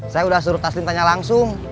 saya udah suruh taslim tanya langsung